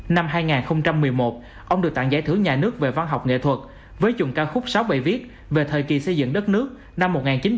năm hai nghìn một mươi một ông được tặng giải thưởng nhà nước về văn học nghệ thuật với chuồng ca khúc sáu bài viết về thời kỳ xây dựng đất nước năm một nghìn chín trăm bảy mươi năm một nghìn chín trăm tám mươi năm